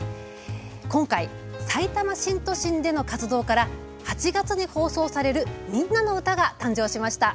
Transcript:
今回さいたま新都心での活動から８月に放送される「みんなのうた」が誕生しました。